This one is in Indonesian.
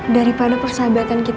daripada persahabatan kita